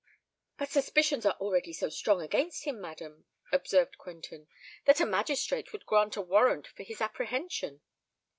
"But suspicions are already so strong against him, madam," observed Quentin, "that a magistrate would grant a warrant for his apprehension."